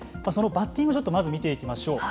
バッティングを見ていきましょう。